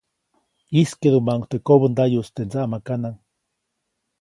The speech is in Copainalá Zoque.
ʼYijskeʼdumaʼuŋ teʼ kobändayuʼis teʼ ndsaʼmakanaŋ.